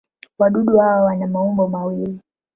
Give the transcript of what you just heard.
Wadudu hawa wana maumbo mawili.